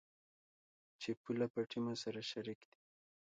چې پوله، پټي مو سره شريک دي.